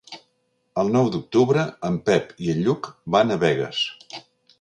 El nou d'octubre en Pep i en Lluc van a Begues.